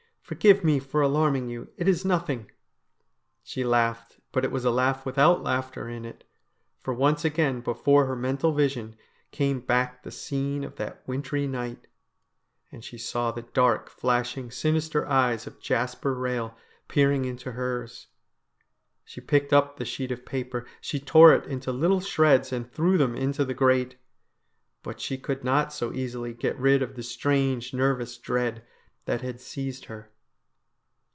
Forgive me for alarming you. It is nothing !' She laughed, but it was a laugh without laughter in it, for once again before her mental vision came back the scene of that wintry night, and she saw the dark, flashing, sinister eyes of Jasper Behel peering into hers. She picked up the sheet of paper ; she tore it into little shreds and threw them into the grate. But she could not so THE BRIDE OF DEATH 103 easily get rid of the strange, nervous dread that had seized her.